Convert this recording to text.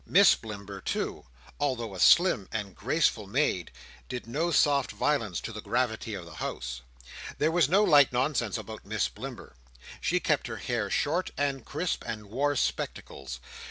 Miss Blimber, too, although a slim and graceful maid, did no soft violence to the gravity of the house. There was no light nonsense about Miss Blimber. She kept her hair short and crisp, and wore spectacles.